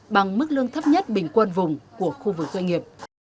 bằng mức lương thấp nhất bình quân vùng của khu vực doanh nghiệp